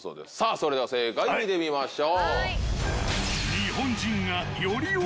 それでは正解見てみましょう。